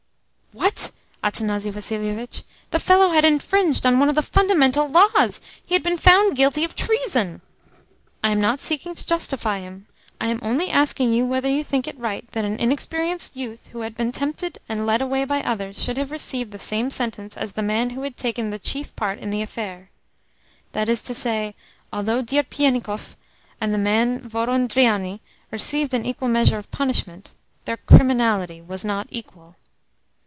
"What, Athanasi Vassilievitch? The fellow had infringed one of the Fundamental Laws! He had been found guilty of treason!" "I am not seeking to justify him; I am only asking you whether you think it right that an inexperienced youth who had been tempted and led away by others should have received the same sentence as the man who had taken the chief part in the affair. That is to say, although Dierpiennikov and the man Voron Drianni received an equal measure of punishment, their CRIMINALITY was not equal."